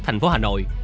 thành phố hà nội